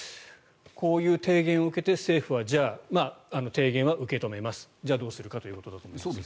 こういう提言を受けて政府はじゃあ提言は受け止めますじゃあどうするかということだと思いますが。